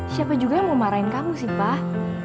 siapa juga yang mau marahin kamu sih bah